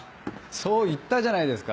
そう言ったじゃないですか。